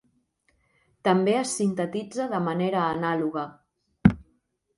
També es sintetitza de manera anàloga.